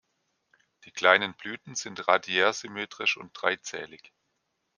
Die kleinen Blüten sind radiärsymmetrisch und dreizählig.